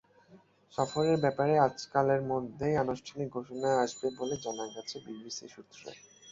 সফরের ব্যাপারে আজকালের মধ্যেই আনুষ্ঠানিক ঘোষণা আসবে বলে জানা গেছে বিসিবি সূত্রে।